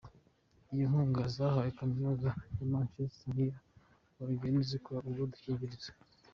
Iyo nkunga zahawe Kaminuza ya Manchester n’iya Oregon, zikora utwo dukingirizo .